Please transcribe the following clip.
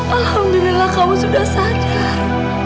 alhamdulillah kamu sudah sadar